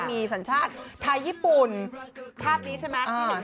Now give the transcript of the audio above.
มีสัญชาติไทยญี่ปุ่นภาพนี้ใช่ไหม